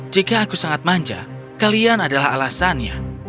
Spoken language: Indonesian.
jika aku sangat manja kalian adalah alasannya